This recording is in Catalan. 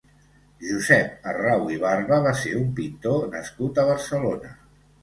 Josep Arrau i Barba va ser un pintor nascut a Barcelona.